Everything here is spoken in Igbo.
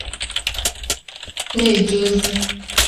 na-eje ozi